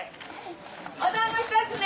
おだんご１つね！